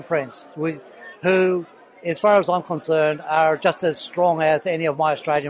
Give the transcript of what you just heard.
yang saya perhatikan mereka sebagus teman teman australia